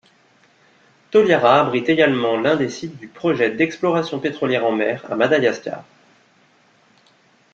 Toliara abrite également l'un des sites du projet d'exploration pétrolière en mer à Madagascar.